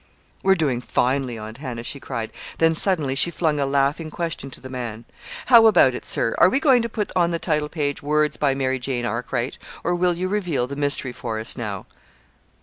"We're doing finely, Aunt Hannah," she cried. Then, suddenly, she flung a laughing question to the man. "How about it, sir? Are we going to put on the title page: 'Words by Mary Jane Arkwright' or will you unveil the mystery for us now?"